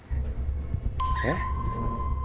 えっ？